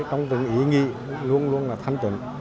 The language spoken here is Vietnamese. trong từng ý nghĩ